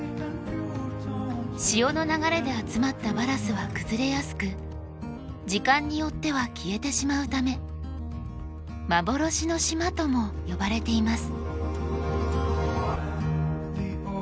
潮の流れで集まったバラスは崩れやすく時間によっては消えてしまうため「幻の島」とも呼ばれています。